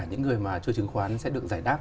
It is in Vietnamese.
những người mà chưa chứng khoán sẽ được giải đáp